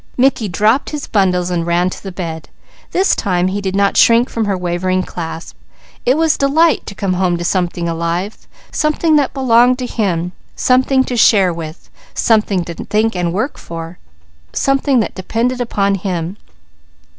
Mickey dropped his bundles and ran to the bed. This time he did not shrink from her wavering clasp. It was delight to come home to something alive, something that belonged to him, something to share with, something to work and think for, something that depended upon him.